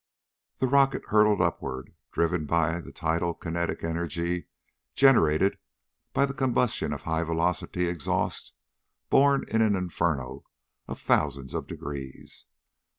The rocket hurtled upward, driven by the tidal kinetic energy generated by the combustion of high velocity exhaust, born in an inferno of thousands of degrees.